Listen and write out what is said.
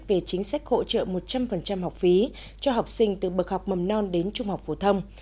về chính sách hỗ trợ một trăm linh học phí cho học sinh từ bậc học mầm non đến trung học phổ thông